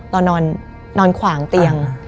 นอนขวางเตียง